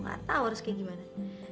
engga tau harus kayak gimana